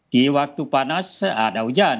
di waktu panas ada hujan